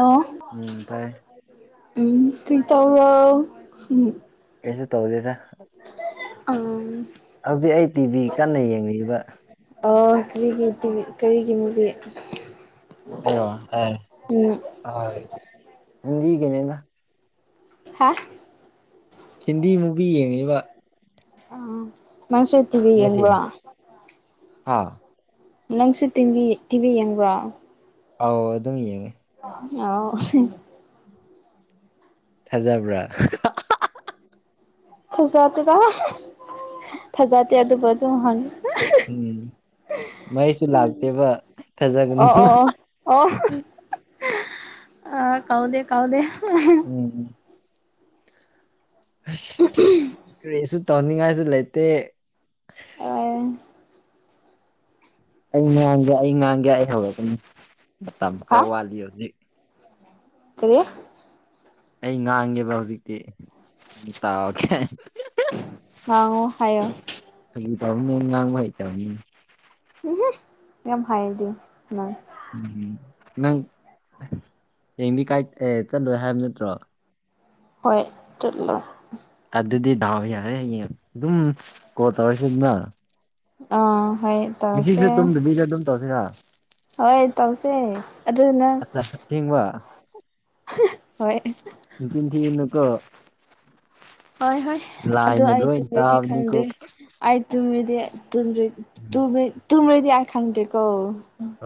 ꯑ ꯎꯝ ꯇꯥꯏ ꯎꯝ ꯀꯩ ꯇꯧꯔꯣ ꯎꯝ ꯀꯩꯁꯨ ꯇꯧꯗꯦꯗ ꯑꯝ ꯍꯧꯖꯤꯛ ꯑꯩ ꯇꯤꯚꯤ ꯀꯟꯅ ꯌꯦꯡꯅꯤꯡꯕ ꯀꯔꯤꯒꯤ ꯇꯤꯚꯤ ꯀꯔꯤꯒꯤ ꯃꯨꯕꯤ ꯑ ꯏꯒꯦꯅꯦꯅ ꯍꯥꯥ ꯍꯤꯟꯗꯤ ꯃꯨꯚꯤ ꯌꯦꯡꯉꯤꯕ ꯑ ꯃꯪꯁ ꯗꯤ ꯍꯥꯥ ꯅꯪꯁꯨ ꯇꯤꯚꯤ ꯇꯤꯚꯤ ꯌꯦꯡꯕ꯭ꯔꯥ ꯑꯥꯎ ꯑꯗꯨꯝ ꯌꯦ ꯑꯥꯎ ꯊꯥꯖꯕ꯭ꯔꯥ ꯊꯖ ꯇꯗ ꯊꯖꯥ ꯇꯌꯥ ꯑꯗꯨꯕ ꯑꯗꯨ ꯍꯅ ꯎꯝ ꯃꯩꯁꯨ ꯂꯥꯛꯇꯦꯕ ꯐꯖꯒꯅꯤ ꯑꯣ ꯑꯣ ꯑꯣ ꯑꯣ ꯑꯥ ꯀꯥꯎꯗꯦ ꯀꯥꯎꯗꯦ ꯎꯝ ꯑ ꯀꯔꯤꯁꯨ ꯇꯧꯅꯤꯡꯉꯥꯏꯁꯨ ꯂꯩꯇꯦ ꯑ ꯑꯩ ꯉꯥꯡꯒꯦ ꯑꯩ ꯉꯥꯡꯒꯦ ꯑꯩ ꯍꯧꯔꯀꯅꯤ ꯃꯇꯝ ꯍꯥ ꯈꯔ ꯋꯥꯠꯂꯤ ꯍꯧꯖꯤꯛ ꯀꯔꯤ ꯑꯩ ꯉꯥꯡꯒꯦꯕ ꯍꯧꯖꯤꯛꯇꯤ ꯇꯥꯎꯔꯒꯦ ꯉꯥꯡꯉꯣ ꯍꯥꯏꯌꯣ ꯐꯥꯒꯤ ꯇꯥꯑꯣꯕꯅꯤꯅꯥ ꯎ ꯌꯥꯝ ꯍꯥꯏꯥꯏꯦꯗꯤ ꯅꯪ ꯎꯝ ꯅꯪ ꯌꯦꯡꯗꯤ ꯀꯥꯏ ꯑꯦ ꯆꯠꯂꯣꯏ ꯍꯥꯏꯕ ꯅꯠꯇ꯭ꯔꯣ? ꯍꯣꯏ ꯆꯠꯂꯣ ꯑꯗꯨꯗꯤ ꯗꯥꯎ ꯌꯥꯔꯦ ꯍꯌꯦꯡ ꯑꯗꯨꯝ ꯀꯣ ꯇꯧꯔꯁꯤ ꯑꯗꯨꯅ ꯑꯥ ꯍꯣꯏ ꯉꯁꯤꯁꯨ ꯇꯧꯔꯁꯦ ꯇꯨꯝꯗꯕꯤꯁꯨ ꯑꯗꯨꯝ ꯇꯧꯁꯤꯔ ꯍꯣꯏ ꯇꯧꯁꯦ ꯑꯗꯨꯅꯪ ꯑꯁ ꯑꯁꯦꯡꯕ ꯍꯣꯏ ꯅꯨꯄꯤꯟ ꯊꯤꯒꯅꯨꯀꯣ꯫ ꯍꯣꯏ ꯍꯣꯏ ꯑꯗꯨ ꯂꯥꯏꯅ ꯑꯩ ꯂꯣꯏ ꯇꯨꯝꯗꯗꯤ ꯇꯥꯕꯅꯤꯀꯣ ꯈꯪꯗꯦ꯫ ꯑ ꯇꯨꯝꯔꯤꯗꯤ ꯇꯦ ꯇ ꯇꯨ꯭ꯔꯦꯗꯤ ꯑ ꯈꯥꯡꯗꯦꯀꯣ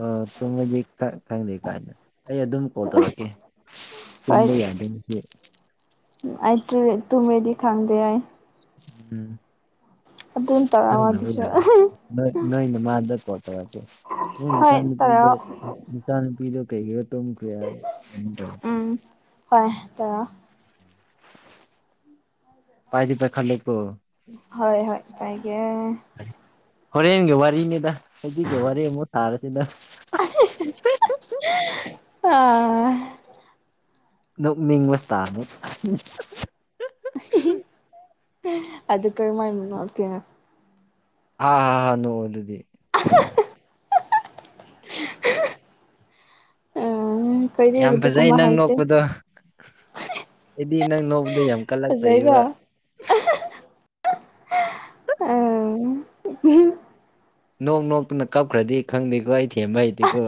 ꯑ ꯇꯨꯡꯉꯖꯤ ꯈꯪꯗꯦ ꯀꯥꯏꯅ ꯑꯩ ꯑꯗꯨꯝ ꯀꯣꯜ ꯇꯧꯔꯛꯀꯦ ꯍꯣꯏ ꯇꯨꯝꯕ ꯌꯥꯗꯣꯏ ꯑꯩ ꯇꯨꯝꯦꯗꯤ ꯈꯪꯗꯦ ꯑꯩ ꯎꯝ ꯑꯗꯨꯝ ꯇꯧꯔꯛꯑꯣ ꯑꯗꯨꯁꯨ ꯈꯪꯗꯕꯅꯅꯦ ꯅꯣꯏꯅꯣꯏ ꯃꯥꯗꯣ ꯀꯣꯜ ꯇꯧꯔꯛꯀꯦ ꯍꯣꯏ ꯅꯣꯢꯅꯆꯥꯅꯨꯄꯤꯗꯣ ꯇꯧꯔꯛꯑꯣ ꯅꯆꯥꯅꯨꯄꯤꯗꯣ ꯀꯩꯒꯤꯔ ꯇꯨꯝꯈꯔꯦ ꯑꯩꯗꯣ ꯎꯝ ꯍꯣꯏ ꯇ ꯄꯥꯏꯗꯤ ꯄꯈꯠꯂ‌ꯦꯀꯣ ꯍꯣꯏ ꯍꯣꯏ ꯏꯄꯥꯏꯒꯦ꯫ ꯍꯣꯔꯦꯟꯒꯤ ꯋꯥꯔꯤꯅꯤꯗ ꯍꯧꯖꯤꯛꯀꯤ ꯋꯥꯔꯤ ꯑꯃꯨꯛ ꯁꯥꯔ꯭ꯁꯤꯗ ꯑꯥ ꯅꯣꯛꯅꯤꯡ ꯃꯁꯇꯥꯅꯤ ꯑꯗꯨ ꯀꯔꯝꯃꯥꯏꯅꯅꯣꯛꯀꯦꯅ ꯑꯥ ꯍꯥ ꯍꯅ ꯅꯣꯛ ꯑꯣ ꯑꯗꯨꯗꯤ [unintelligible] ꯎꯝ ꯈꯣꯏꯗꯤ ꯌꯥꯝ ꯐꯖꯩ ꯑꯗꯨꯒꯨꯝꯕ ꯅꯪ ꯍꯩꯇꯦ ꯂꯣꯛꯄꯗꯣ ꯑꯩꯗꯤ ꯅꯪ ꯅꯧꯕꯗ ꯌꯥꯝ ꯀꯜꯂꯛꯇꯌꯦꯕ꯫ ꯐꯖꯩꯀꯣ ꯎꯝ ꯅꯣꯛ ꯅꯣꯛꯇꯨꯅ ꯀꯞꯈ꯭ꯔꯗꯤ ꯈꯪꯗꯦꯀꯣ ꯑꯩ ꯊꯦꯝꯕ ꯍꯩꯇꯀꯣ꯫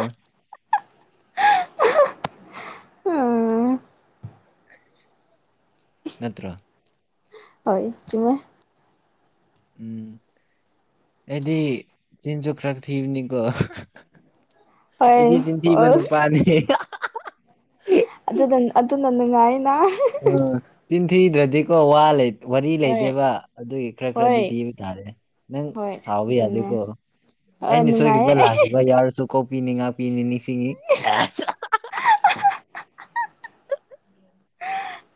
ꯎꯝ ꯅꯠꯇ꯭ꯔ ꯍꯣꯏ ꯆꯤꯡꯉꯃꯦ꯫ ꯎꯝ ꯑꯩꯗꯤ ꯆꯤꯟꯖꯣ ꯀ꯭ꯔꯥꯒ ꯊꯤ ꯃꯤꯅꯤꯀꯣ꯫ ꯑꯩꯗꯤ ꯍꯣꯏ ꯆꯤꯟꯊꯤꯕ ꯑꯣ ꯅꯨꯄꯥꯅꯦ꯫ ꯑꯗꯨꯗ ꯑꯗꯨꯅ ꯅꯨꯡꯉꯥꯏꯌ‌ꯦꯅ꯫ ꯎ ꯇꯤꯟꯊꯤꯗ꯭ꯔꯥꯗꯤꯀꯣ ꯋꯥꯜꯥꯏ ꯋꯥꯔꯤ ꯍꯣꯏ ꯂꯩꯗꯦꯕ ꯑꯗꯨꯒꯤ ꯈꯔ ꯈꯔꯗꯤ ꯍꯣꯏ ꯊꯤꯕ ꯇꯥꯔꯦ ꯅꯪ ꯍꯣꯏ ꯁꯥꯎꯕ ꯑꯗꯨꯅꯦ ꯌꯥꯗꯦꯀꯣ꯫ ꯑ ꯑꯩꯅ ꯁꯣꯏꯈꯤꯕ ꯅꯨꯡꯉꯥꯏꯌꯦ ꯂꯥꯡꯈꯤꯕ ꯌꯥꯎꯔꯁꯨ ꯀꯣꯄꯤꯤꯅꯤ ꯉꯥꯄꯤꯅꯤ ꯅꯤꯡꯁꯤꯡꯅꯤ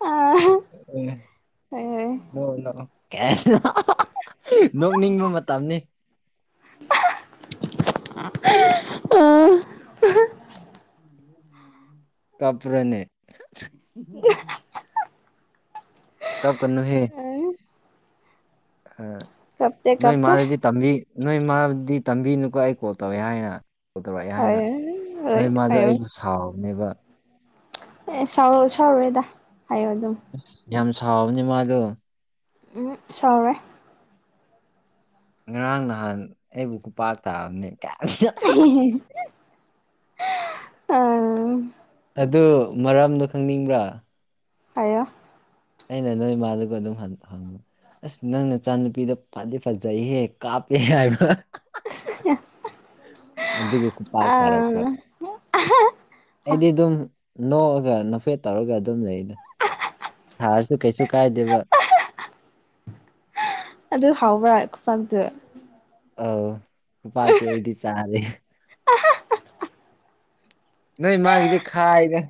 ꯑ ꯍꯥ ꯎꯅ ꯅꯣꯡ ꯅ ꯀ ꯅꯣꯛꯅꯤꯡꯕ ꯃꯇꯝꯅꯤ꯫ ꯎꯝ ꯀꯄ꯭ꯔꯅꯦ꯫ ꯀꯞ ꯀꯅꯨꯍꯦ꯫ ꯑ ꯀꯞꯇꯦ ꯅꯣꯏ ꯀꯞꯇꯦ ꯃꯥꯗꯗꯤ꯫ ꯇꯝꯕꯤ ꯅꯣꯏ ꯃꯥꯕꯨꯗꯤ ꯇꯝꯕꯤꯅꯨꯀꯣ ꯑꯩ ꯀꯣꯜ ꯇꯧꯋꯦ ꯍꯥꯏꯅ ꯀꯣꯜ ꯇꯧꯔꯛꯑꯦ ꯍꯣꯏ ꯍꯥꯏꯅ ꯍꯣꯏ ꯅꯣꯏ ꯃꯥꯗ ꯍꯥꯏꯌꯣ ꯑꯩꯕꯨ ꯁꯥꯎꯕꯅꯦꯕ꯫ ꯑꯦ ꯁꯥꯎꯔꯛꯑꯣ ꯁꯥꯎꯔꯨꯔꯦꯗ ꯍꯥꯏꯌꯣ ꯑꯗꯨꯝ ꯑꯁ ꯌꯥꯝ ꯁꯥꯎꯕꯅꯦ ꯃꯥꯗꯣ ꯎ ꯁꯥꯎꯧꯔꯦ ꯉꯔꯥꯡ ꯅꯍꯥꯟ ꯑꯩꯕꯨ ꯈꯨꯄꯥꯛ ꯇꯥꯑꯕꯅꯦ ꯀ [unintelligible] ꯑ ꯑꯗꯨ ꯃꯔꯝꯗꯣ ꯈꯪꯅꯤꯡꯕ꯭ꯔꯥ ꯍꯥꯏꯌꯣ ꯑꯩꯅ ꯅꯣꯏ ꯏꯃꯥꯗꯨꯒ ꯑꯗꯨꯝ ꯍꯪ ꯍꯪꯉꯨ ꯑꯁ ꯅꯪ ꯅꯆꯥꯅꯨꯄꯤꯗꯣ ꯐꯗꯤ ꯐꯖꯩꯍꯦ ꯀꯥꯞꯄꯦ ꯍꯥꯏꯕ [unintelligible] ꯑꯗꯨꯒꯤ ꯈꯨꯄꯥꯛ ꯑ ꯊꯥꯔꯛꯄ ꯑꯩꯗꯤ ꯑꯗꯨꯝ ꯅꯣꯛꯑꯒ ꯅꯣꯛꯐꯦꯠ ꯇꯧꯔꯒ ꯑꯗꯨꯝ ꯂꯩꯗ ꯊꯥꯔꯁꯨ ꯀꯩꯁꯨ ꯀꯥꯏꯗꯦꯕ ꯑꯗꯨ ꯍꯥꯎꯕ꯭ꯔꯥ ꯈꯨꯄꯥꯛꯗꯨ ꯑꯧ ꯈꯨꯄꯥꯛꯇꯤ ꯑ‌‌ꯩꯗꯤ ꯆꯥꯔꯦ ꯅꯣꯏ ꯏꯃꯥꯒꯤꯗꯤ ꯈꯥꯏꯗ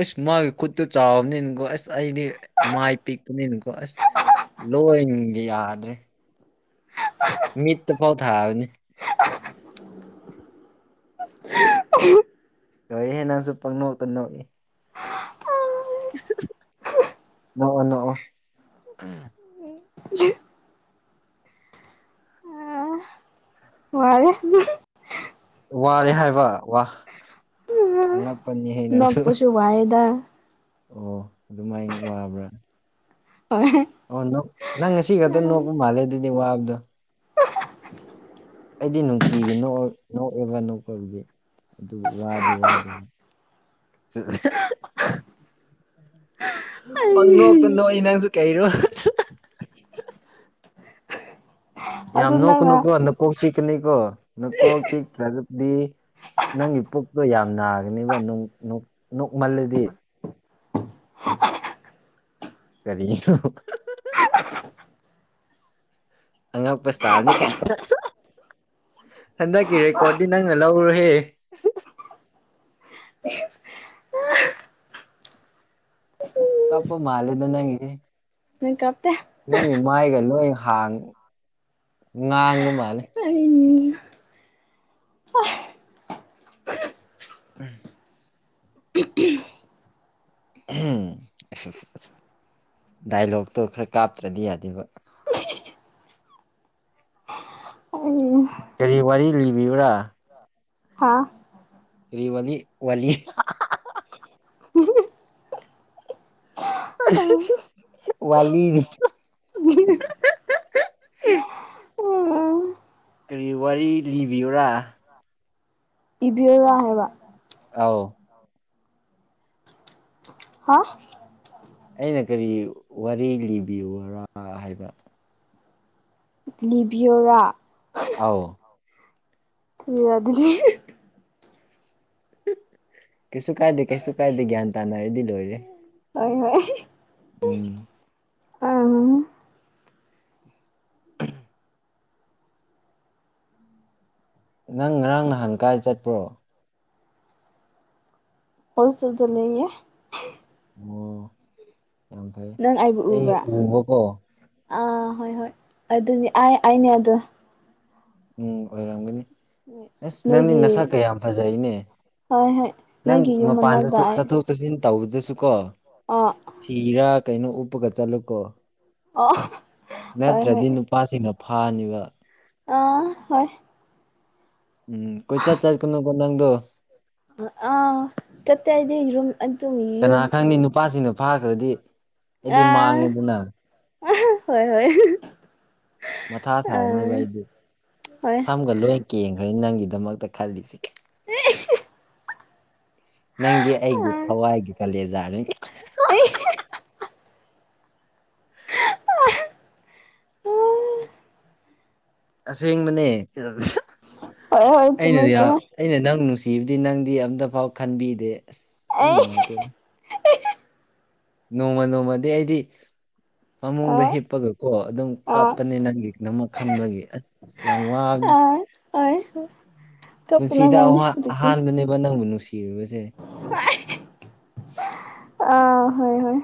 ꯑꯁ ꯃꯥꯒꯤ ꯈꯨꯠꯇꯨ ꯆꯥꯎꯕꯅꯤꯅꯀꯣ ꯑꯁ ꯑꯩꯗꯤ ꯃꯥꯏ ꯄꯤꯛꯄꯅꯤꯅꯀꯣ ꯑꯁ ꯂꯣꯏꯅꯒ ꯌꯥꯗ꯭ꯔꯦ ꯃꯤꯠꯇꯐꯥꯎ ꯊꯥꯕꯅꯤ ꯂꯣꯏꯔꯦꯍꯦ ꯅꯪꯁꯨ ꯄꯪꯅꯣꯛꯇ ꯅꯣꯛꯏ ꯅꯣꯛꯑꯨ ꯅꯣꯛꯑꯨ ꯋꯥꯔꯦ ꯋꯥꯔꯦ ꯍꯥꯏꯕ ꯋꯥ ꯑꯉꯛꯄꯅꯤꯍꯦ ꯅꯪꯁꯨ ꯋꯥꯏꯌ‌ꯦꯗ ꯑꯣ ꯑꯗꯨꯃꯥꯏꯟ ꯋꯥꯕ꯭ꯔꯥ ꯍꯣꯏ ꯑꯣ ꯅꯣꯛ ꯅꯪ ꯉꯁꯤ ꯈꯛꯇ ꯅꯣꯛꯄ ꯃꯥꯜꯂꯦ ꯑꯗꯨꯗꯤ ꯋꯥꯕꯗꯣ ꯑꯩꯗꯤ ꯅꯨꯡꯇꯤꯒꯤ ꯅꯣꯛꯑ ꯅꯣꯛꯑꯦꯕ ꯅꯣꯛꯄꯕꯨꯗꯤ ꯑꯗꯨꯕꯨ ꯋꯥꯗꯤ ꯋꯥꯗꯦꯕ [unintelligible] ꯄꯪꯅꯣꯛꯇ ꯅꯣꯛꯏ ꯅꯪꯁꯨ ꯀꯩꯔꯣ ꯑꯗꯨ ꯌꯥꯝ ꯅꯪꯅ ꯅꯣꯛꯀꯅꯨꯀꯣ ꯅꯀꯣꯛ ꯆꯤꯛꯀꯅꯤꯀꯣ ꯅꯀꯣꯛ ꯆꯤꯛꯇ꯭ꯔꯒꯗꯤ ꯅꯪꯒꯤ ꯄꯨꯛꯇꯣ ꯌꯥꯝ ꯅꯥꯒꯅꯦꯕ ꯅꯨꯡ ꯅꯣꯛ ꯅꯣꯛꯃꯜꯂꯗꯤ ꯀꯔꯤꯔꯣ ꯑꯉꯛꯄ ꯁ꯭ꯇꯥꯔꯅꯤ ꯀꯥꯏꯅ ꯍꯟꯗꯛꯀꯤ ꯔꯦꯀꯣꯔꯗꯤ ꯅꯪꯅ ꯂꯧꯔ‌ꯦꯍꯦ ꯀꯄ ꯃꯥꯜꯂꯦꯗ ꯅꯪꯒꯤꯖꯤ ꯅꯪ ꯀꯞꯇꯦ ꯅꯪꯒꯤ ꯃꯥꯏꯒ ꯂꯣꯏ ꯍꯥꯡ ꯉꯥꯡꯕ ꯃꯥꯜ ꯑꯩ ꯎꯝ [unintelligible] ꯎꯍꯝ ꯑꯁ ꯑꯁ ꯗꯥꯏꯂꯣꯛꯇꯣ ꯈꯔ ꯀꯥꯞꯇ꯭ꯔꯗꯤ ꯌꯥꯗꯦꯕ ꯀꯔꯤ ꯋꯥꯔꯤ ꯂꯤꯕꯤꯌꯨꯔꯥ ꯍꯥꯥ ꯀꯔꯤꯋꯥꯂꯤ ꯋꯥꯂꯤ [unintelligible] ꯋꯥꯂꯤꯅꯤ ꯀꯔꯤ ꯋꯥꯔꯤ ꯂꯤꯕꯤꯌꯨꯔꯥ ꯏꯕꯤꯌꯨꯔꯥ ꯍꯥꯏꯕ ꯑꯥꯎ ꯍꯥ ꯑꯩꯅ ꯀꯔꯤ ꯋꯥꯔꯤ ꯂꯤꯕꯤꯌ‌ꯨꯔꯥ ꯍꯥꯏꯕ ꯂꯤꯕꯤꯌꯣꯔꯥ ꯑꯣ ꯌꯥ [unintelligible] ꯀꯩꯁꯨ ꯀꯥꯏꯗꯦ ꯀꯩꯁꯨ ꯀꯥꯏꯗꯦ ꯒ꯭ꯌꯥꯟ ꯇꯥꯅꯔꯗꯤ ꯂꯣꯏꯔꯦ ꯍꯣꯏ ꯍꯣꯏ ꯎꯝ ꯎꯝ ꯅꯪ ꯉꯔꯥꯡ ꯅꯍꯥꯟ ꯀꯥꯏ ꯆꯠꯄ꯭ꯔꯣ ꯑ‌ꯣꯏꯔꯁꯨ ꯇꯨꯝꯅꯤꯡ ꯉ‌ꯦ ꯑꯣ ꯀ ꯊꯦ ꯅꯪ ꯑꯩꯕꯨ ꯑꯩ ꯎꯕ꯭ꯔꯥ ꯎꯕ ꯀ ꯑꯥ ꯍꯣꯏ ꯍꯣꯏ ꯑꯗꯨꯅꯤ ꯑꯩ ꯑꯩꯅꯦ ꯑꯗꯨꯝ ꯎꯝ ꯑꯣꯏꯔꯝꯒꯅꯤ ꯑꯁ ꯅꯪꯗꯤ ꯅꯣꯏꯒꯤ ꯅꯁꯥ ꯀꯌꯥꯝ ꯐꯖꯩꯅꯦ ꯍꯣꯏ ꯍꯣꯏ ꯅꯪ ꯅꯣꯏꯒꯤ ꯌꯨꯝ ꯃꯄꯥꯟ ꯃꯅꯥꯛꯇ ꯆꯠꯣꯛ ꯆꯠꯊꯣꯛ ꯆꯠꯁꯤꯟ ꯇꯧꯕꯗꯁꯨ ꯀꯣ ꯑ ꯁꯤꯤꯔꯥ ꯀꯩꯅꯣ ꯎꯞꯄꯒ ꯆꯠꯂꯨꯀꯣ ꯑꯣ ꯍꯣꯏ ꯍꯣꯏ ꯅꯠꯇ꯭ꯔꯗꯤ ꯅꯨꯄꯥꯁꯤꯡꯅ ꯐꯥꯅꯤꯕ ꯑꯥ ꯍꯣꯏ ꯎꯝ ꯀꯣꯏ ꯆꯠ ꯆꯠꯀꯨ ꯀꯣ ꯅꯪ [unintelligible] ꯅꯨꯄꯥꯁꯤꯡꯗꯣ ꯐꯥꯈ꯭ꯔꯗꯤ ꯑ ꯑꯩꯗꯤ ꯃꯥꯡꯉꯦꯗꯅ ꯑ ꯍꯣꯏ ꯍꯣꯏ ꯃꯊꯥ ꯑ ꯁꯥꯔꯅꯦꯕ ꯑꯩꯗꯤ ꯍꯣꯏ ꯁꯝꯒ ꯂꯣꯏ ꯀꯦꯟꯒ꯭ꯔꯅꯤ ꯅꯪꯒꯤꯗꯃꯛꯇ ꯈꯜꯂꯤꯁꯦ ꯍ [unintelligible] [inaudible] ꯅꯪꯒꯤ ꯑꯩꯒꯤ ꯊꯋꯥꯏꯒꯤ ꯀꯂꯦꯖꯥꯅꯤ ꯑꯦ [inaudible] [unintelligible] [unintelligible] ꯑꯁꯦꯡꯕꯅꯦ ꯍꯣꯏ ꯆꯨꯝꯃꯦ ꯑꯩꯅꯗꯤ ꯆꯨꯝꯃꯦ ꯑꯩꯅ ꯅꯪ ꯅꯨꯡꯁꯤꯕꯗꯤ ꯅꯪꯗꯤ ꯑꯝꯇꯐꯥꯎ ꯈꯟꯕꯤꯗꯦ ꯑꯁ ꯑꯩ ꯅꯨꯡꯉꯥꯏꯇꯦ ꯅꯣꯡꯃ ꯅꯣꯡꯃꯗꯤ ꯑꯩꯗꯤ ꯐꯃꯨꯡꯗ ꯑ ꯍꯤꯞꯄꯒꯀꯣ ꯑꯗꯨꯝ ꯑ ꯀꯥꯞꯄꯅꯦ ꯅꯪꯒꯤ ꯅꯝꯃꯛ ꯈꯟꯕꯒꯤ ꯑꯁ ꯌꯥꯝ ꯋꯥ ꯑꯥ ꯍꯣꯏ ꯀꯞꯀꯅꯣ ꯄꯨꯟꯁꯤꯗ ꯅꯪꯗꯤ ꯍꯧꯖꯤꯛꯇꯤ ꯑꯍꯥꯟꯕꯅꯦꯕ ꯅꯪꯕꯨ ꯅꯨꯡꯁꯤꯔꯨꯕꯁꯦ ꯑꯥ ꯍꯣꯏ ꯍꯣꯏ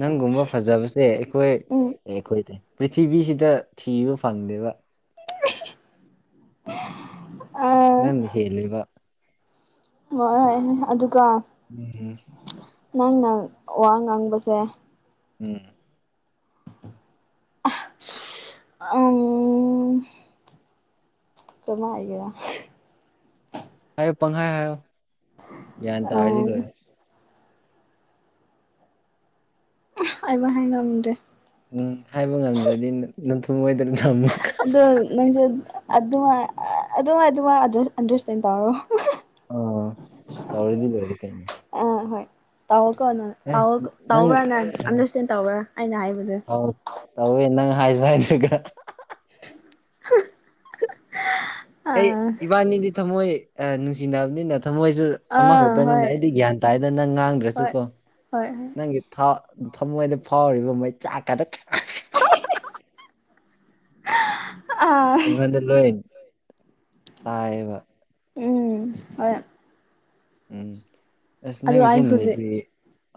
ꯅꯪꯒꯨꯝꯕ ꯐꯖꯕꯁꯦ ꯑꯩꯈꯣꯏ ꯎꯝ ꯑꯩꯈꯣꯏꯗ ꯄ꯭ꯔꯤꯊꯤꯕꯤꯁꯤꯗ ꯊꯤꯕ ꯐꯪꯗꯦꯕ [unintelligible] [inaudible] ꯅꯪꯅ ꯍꯦꯟꯂꯦꯕ ꯍꯣꯏ ꯍꯣꯏꯅꯦ ꯑꯗꯨꯒ ꯎ ꯍꯝ [unintelligible] [inaudible] ꯅꯪꯅ ꯋꯥ ꯉꯥꯡꯕꯁꯦ ꯎꯝ [unintelligible] [inaudible] ꯑ [unintelligible] [inaudible] ꯀꯃꯥꯏꯒꯦ ꯍꯥꯏꯌꯣ ꯄꯪꯍꯥꯏ ꯍꯥꯏꯌꯣ ꯒ꯭ꯌꯥꯟ ꯇꯥꯔꯗꯤ ꯎꯝ ꯂꯣꯏꯔꯦ ꯑꯩꯃ ꯍꯥꯏ ꯉꯝꯗ꯭ꯔꯦ ꯎꯝ ꯍꯥꯏꯕ ꯉꯝꯗ꯭ꯔꯗꯤ ꯅꯅꯨꯡꯊꯨꯝꯣꯏꯗꯅ ꯑꯃꯨꯛ [inaudible] ꯑꯣ ꯅꯪꯁꯨ ꯑꯗꯨ ꯑꯗꯨꯃ ꯑꯗꯨꯃ ꯑꯟꯗꯔꯁꯇꯦꯟ ꯇꯧꯔꯣ [inaudible] ꯇꯧꯔꯤꯗꯤ ꯂꯣꯏꯔꯦ ꯀꯩꯅꯣ ꯑꯥ ꯍꯣꯏ ꯇꯧꯀꯣ ꯅꯪ ꯑꯦ ꯇꯧ ꯇꯧꯕ꯭ꯔꯥ ꯅꯪ ꯑꯟꯗꯔꯁꯇꯦꯟ ꯇꯧꯕ꯭ꯔꯥ ꯑꯩꯅ ꯍꯥꯏꯕꯗꯨ ꯑꯧ ꯇꯧꯋꯦ ꯅꯪ ꯍꯥꯏꯁꯨ ꯍꯥꯏꯗꯒ [unintelligible] ꯑꯩ ꯑꯥ ꯏꯕꯥꯅꯤꯗꯤ ꯊꯃꯣꯏ ꯑ ꯅꯨꯡꯁꯤꯅꯕꯅꯤꯅ ꯊꯃꯣꯏꯁꯨ ꯑꯥ ꯑꯃꯈꯛꯇꯅꯤꯅ ꯍꯣꯏ ꯑꯩꯗꯤ ꯒ꯭ꯌꯥꯟ ꯇꯥꯏꯗꯅ ꯅꯪ ꯍꯣꯏ ꯉꯥꯡꯗ꯭ꯔꯁꯨꯀꯣ ꯍꯣꯏ ꯍꯣꯏ ꯅꯪꯒꯤ ꯊꯥꯎ ꯊꯃꯣꯏꯗ ꯐꯥꯎꯔꯤꯕ ꯃꯩꯆꯥꯛꯀꯥꯗꯣ [unintelligible] ꯑꯩꯉꯣꯟꯗ ꯂꯣꯏ ꯇꯥꯏꯌꯦꯕ꯫ ꯎꯝ ꯍꯣꯏ꯫ ꯎꯝ ꯑꯁ ꯑꯗꯣ ꯅꯪꯒꯤꯁꯨ ꯑꯩ ꯍꯧꯖꯤꯛ ꯃꯅꯤꯄꯨꯔꯤ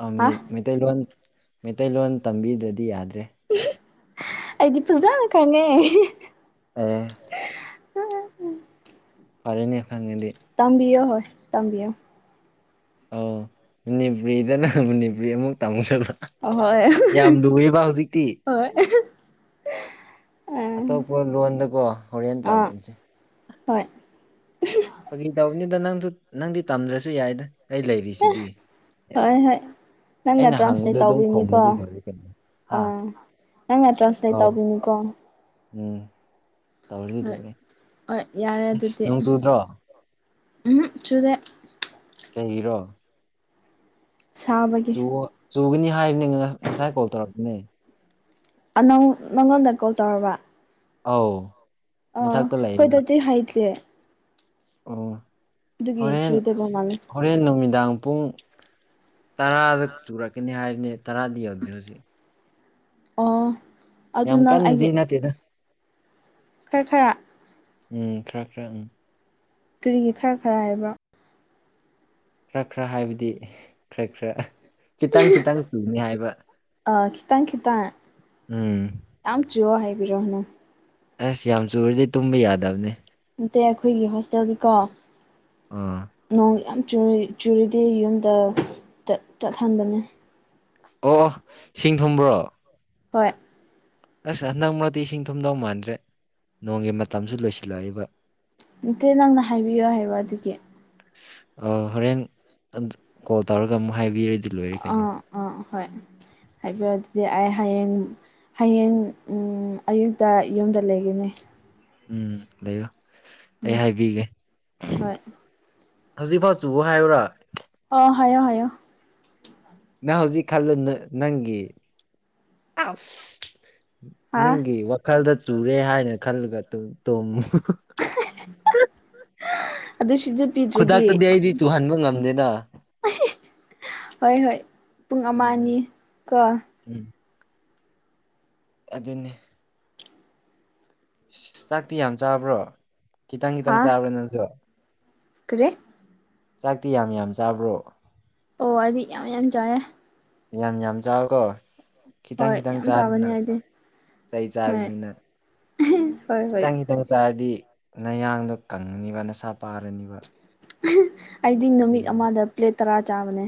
ꯑꯥ꯫ ꯍꯥ ꯃꯩꯇꯩꯂꯣꯟ ꯃꯩꯇꯩꯂꯣꯟ ꯇꯝꯕꯤꯗ꯭ꯔꯗꯤ ꯌꯥꯗ꯭ꯔꯦ ꯑꯩꯗꯤ ꯐꯖꯅ ꯈꯪꯉꯦ꯫ ꯑꯦ ꯐꯔꯦꯅꯦ ꯈꯪꯉꯗꯤ꯫ ꯇꯝꯕꯤꯌꯣ ꯍꯣꯏ ꯇꯝꯕꯤꯌꯣ ꯑꯣ ꯃꯅꯤꯄꯨꯔꯤꯗꯅ ꯃꯅꯤꯄꯨꯔꯤ ꯑꯃꯨꯛ ꯇꯝꯒꯗꯕ ꯑꯍꯣꯏ ꯌꯥꯝ ꯂꯨꯑꯦꯕ ꯍꯧꯖꯤꯛꯇꯤ ꯍꯣꯏ ꯑꯥ ꯑꯇꯣꯞꯄ ꯂꯣꯟꯗꯀꯣ ꯍꯣꯔꯦꯟ ꯑꯥ ꯇꯝꯁꯦ ꯍꯣꯏ ꯐꯒꯤ ꯇꯧꯕꯅꯤꯗ ꯅꯪꯁꯨ ꯅꯪꯗꯤ ꯇꯝꯗ꯭ꯔꯁꯨ ꯌꯥꯏꯗ ꯑꯩ ꯂꯩꯔꯤꯁꯤꯗꯤ ꯑꯦ ꯍꯣꯏ ꯍꯣꯏ ꯅꯪꯅ ꯇ꯭ꯔꯥꯟꯁꯂꯦꯠ ꯇꯧꯕꯤꯅꯤꯀꯣ ꯀꯩꯅꯣ ꯍꯥ ꯑꯥ ꯅꯪꯅ ꯇ꯭ꯔꯥꯟꯁꯂꯦꯠ ꯑꯧ ꯇꯧꯕꯤꯅꯤ꯫ ꯀꯣ ꯎꯝ ꯇꯧꯕꯤꯗꯨꯢꯅꯦ꯫ ꯍꯣꯢ ꯌꯥꯔꯔꯗꯨꯗꯤ ꯎꯝ ꯆꯨꯗꯦ ꯀꯔꯤꯔꯣ ꯁꯥꯕꯒꯤ꯫ ꯆꯨꯑꯣ ꯆꯨꯒꯅꯤ ꯍꯥꯏꯕꯅꯤ ꯉꯁꯥꯏ ꯀꯣꯜ ꯇꯧꯔꯛꯄꯅꯦ ꯑꯅꯧ ꯃꯉꯣꯟꯗ ꯀꯣꯜ ꯇꯧꯔꯕ ꯑꯧ ꯑꯥ ꯃꯊꯛꯇ ꯂꯩꯕ ꯑꯩꯈꯣꯏꯗꯗꯤ ꯍꯩꯇꯦ ꯑꯣ꯫ ꯑꯗꯨꯒꯤ ꯍꯣꯔꯦꯟ꯫ ꯆꯨꯗꯕ ꯃꯥꯜꯂꯦ ꯍꯣꯔꯦꯟ ꯅꯨꯃꯤꯗꯥꯡ ꯄꯨꯡ ꯇꯔꯥꯗ ꯆꯨꯔꯛꯀꯅꯤ ꯍꯥꯏꯕꯅꯦ ꯇꯔꯥꯗꯤ ꯌꯧꯗ꯭ꯔꯤ ꯍꯧꯖꯤꯛ ꯑꯣ ꯑꯗꯨ ꯌꯥꯝ ꯅꯪ ꯀꯟꯅꯗꯤ ꯑꯩꯒꯤ ꯅꯠꯇꯦꯗ ꯈꯔ ꯈꯔ ꯎꯝ ꯈꯔ ꯈꯔ ꯎꯝ ꯀꯔꯤꯒꯤ ꯈꯔ ꯈꯔ ꯍꯥꯏꯕ꯫ ꯈꯔ ꯈꯔ ꯍꯥꯏꯕꯗꯤ ꯈꯔ ꯈꯔ꯫ ꯈꯤꯇꯪ ꯈꯤꯇꯪ ꯆꯨꯅꯤ ꯍꯥꯏꯕ ꯑꯥ ꯈꯤꯇꯪ ꯈꯤꯇꯪ ꯎꯝ꯫ ꯌꯥꯝ ꯆꯨꯋꯣ ꯍꯥꯏꯕꯤꯔꯣ ꯅꯪ꯫ ꯑꯁ ꯌꯥꯝ ꯆꯨꯔꯗꯤ ꯇꯨꯝꯕ ꯌꯥꯗꯕꯅꯤ ꯅꯠꯇꯦ ꯑꯩꯈꯣꯏꯒꯤ ꯍꯣꯁꯇꯦꯜꯗꯤꯀꯣ ꯑꯝ ꯅꯣꯡ ꯌꯥꯝ ꯆꯨ ꯆꯨꯔꯗꯤ ꯌꯨꯝꯗ ꯆꯠꯍꯟꯕꯅꯦ꯫ ꯑꯣ ꯢꯁꯤꯡ ꯊꯨꯝꯕ꯭ꯔꯣ ꯍꯣꯏ ꯑꯁ ꯍꯟꯗꯛ ꯃꯔꯛꯇꯤ ꯏꯁꯤꯡ ꯊꯨꯝꯗꯧ ꯃꯥꯟꯗ꯭ꯔꯦ ꯅꯣꯡꯒꯤ ꯃꯇꯝꯁꯨ ꯂꯣꯏꯁꯤꯜꯂꯛꯏꯕ꯫ ꯅꯠꯇꯦ ꯅꯪꯅ ꯍꯥꯏꯕꯤꯌꯣ ꯍꯥꯏꯕ ꯑꯗꯨꯒꯤ ꯍꯣꯔꯦꯟ ꯀꯣꯜ ꯇꯧꯔꯒ ꯑꯃꯨꯛ ꯍꯥꯏꯕꯤꯔꯒꯦ ꯑꯥ ꯑꯥ ꯍꯣꯏ ꯍꯥꯏꯕꯤꯔꯛꯑꯣ ꯑꯗꯨꯗꯤ ꯑꯩ ꯍꯌꯦꯡ꯫ ꯍꯌꯦꯡ ꯑꯌꯨꯛꯇ ꯌꯨꯝꯗ ꯂꯩꯒꯅꯤ ꯎꯝ ꯂꯩꯌꯣ ꯑꯩ ꯎꯝ ꯍꯥꯏꯕꯤꯒꯦ꯫ ꯍꯣꯏ ꯍꯧꯖꯤꯛꯐꯥꯎ ꯆꯨ ꯍꯥꯏꯌꯨꯔꯥ꯫ ꯍꯣ ꯍꯥꯏꯌꯣ ꯍꯥꯏꯌꯣ꯫ ꯅꯪ ꯍꯧꯖꯤꯛ ꯈꯜꯂꯨꯅꯨ ꯅꯪꯒꯤ ꯑꯁ꯫ ꯍꯥ ꯅꯪꯒꯤ ꯋꯥꯈꯜꯗ ꯆꯨꯔꯦ ꯍꯥꯏꯅ ꯈꯜꯂꯒ ꯇꯨꯝꯃꯨ [inaudible] ꯑꯗꯨ ꯁꯧꯇꯤ ꯄꯤꯗ꯭ꯔꯗꯤ ꯈꯨꯗꯛꯇꯗꯤ ꯑꯩꯗꯤ ꯆꯨꯍꯟꯕ ꯉꯝꯗꯦꯅ ꯍꯣꯏ ꯍꯣꯏ ꯄꯨꯡ ꯑꯃꯅꯤ ꯀꯣ ꯎꯝ ꯑꯗꯨꯅꯤ ꯆꯥꯛꯇꯤ ꯌꯥꯝ ꯆꯥꯕ꯭ꯔꯣ ꯈꯤꯇꯪ ꯈꯤꯇꯪ ꯍꯥ ꯆꯥꯕ꯭ꯔꯥ ꯅꯪꯁꯨ ꯀꯔꯤ ꯆꯥꯛꯇꯤ ꯌꯥꯝ ꯌꯥꯝ ꯆꯥꯕ꯭ꯔꯣ꯫ ꯑꯣ ꯑꯩꯗꯤ ꯌꯥꯝ ꯌꯥꯝ ꯆꯥꯏꯌꯦ꯫ ꯌꯥꯝ ꯌꯥꯝ ꯆꯥꯎꯋ‌ꯣꯀꯣ ꯈꯤꯇꯪ ꯍꯣꯏ ꯈꯤꯇꯪ ꯌꯥꯝ ꯆꯥꯕꯅꯦ ꯆꯥꯗꯅ ꯑꯩꯗꯤ ꯆꯩ ꯍꯣꯏ ꯆꯥꯒꯅꯤ ꯅꯪ ꯍꯣꯏ ꯍꯣꯏ ꯈꯤꯇꯪ꯫ ꯇꯪ ꯆꯥꯔꯗꯤ ꯅꯌꯥꯡꯗꯣ ꯀꯪꯉꯅꯤꯕ ꯅꯁꯥ ꯄꯥꯔꯅꯤꯕ ꯑꯩꯗꯤ ꯅꯨꯃꯤꯠ ꯑꯗꯨꯒꯤꯅꯤ ꯑꯃꯗ ꯄ꯭ꯂꯦꯠ ꯇꯔꯥ ꯆꯥꯕꯅꯦ